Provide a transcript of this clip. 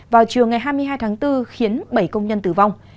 vào chiều ngày hai mươi hai tháng bốn khiến bảy công nhân tử vong